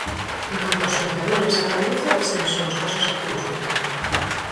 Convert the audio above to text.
En canto aos indicadores, a tendencia ao descenso nos casos activos continúa.